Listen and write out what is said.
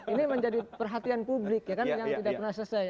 ini menjadi perhatian publik ya kan yang tidak pernah selesai